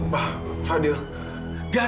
pak fadil gara gara kamu sekarang edo babak belur